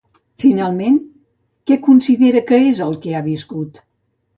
Finalment, què considera que és el que ha viscut?